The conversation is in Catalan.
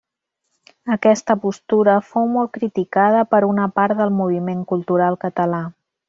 Aquesta postura fou molt criticada per una part del moviment cultural català.